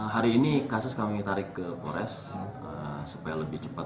hari ini kasus kami tarik ke polres supaya lebih cepat